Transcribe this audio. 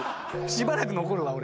しばらく残るわ俺。